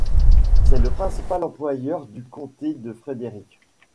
C'est le principal employeur du Comté de Frederick.